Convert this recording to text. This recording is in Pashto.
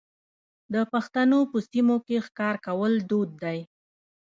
د پښتنو په سیمو کې ښکار کول دود دی.